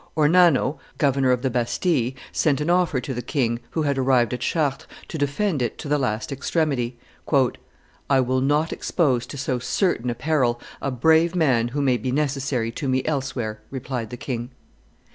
Ornano, governor of the Bastille, sent an offer to the king, who had arrived at Chartres, to defend it to the last extremity. "I will not expose to so certain a peril a brave man who may be necessary to me elsewhere," replied the king.